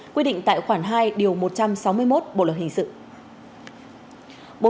quy định tại khoản hai điều một trăm sáu mươi một bộ luật hình sự